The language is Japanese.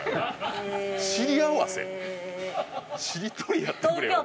しりとりやってくれよ。